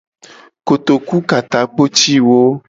Kotoku ka takpo ci wo.